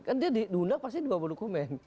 kan dia diundang pasti di bawa dokumen